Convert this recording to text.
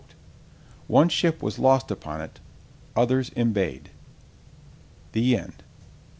One ship was lost upon it: others embayed. THE END.